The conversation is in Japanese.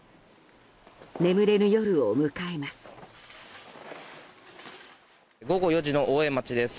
眠れぬ夜を迎えます。